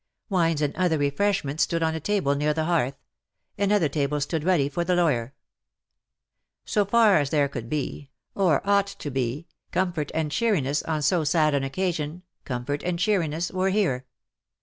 Wines and other refreshments stood on a table near the hearth ; another table stood ready for the lawyer. So far as there could be, or ought 65 to be^ comfort and cheeriness on so sad an occasion, comfort and cheeriness were here.